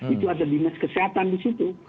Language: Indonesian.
itu ada dinas kesehatan di situ